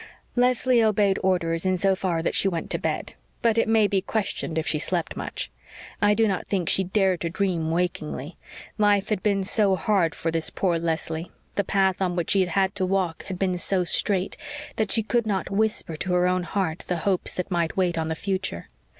Leslie obeyed orders in so far that she went to bed: but it may be questioned if she slept much. I do not think she dared to dream wakingly; life had been so hard for this poor Leslie, the path on which she had had to walk had been so strait, that she could not whisper to her own heart the hopes that might wait on the future.